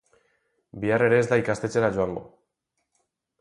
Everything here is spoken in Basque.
Bihar ere ez da ikastetxera joango.